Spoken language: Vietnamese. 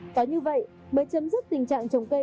có như vậy mới chấm dứt tình trạng trồng cây